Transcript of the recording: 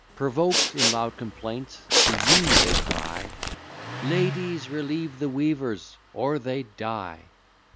Provoked, in loud complaints to you they cry; Ladies, relieve the weavers; or they die!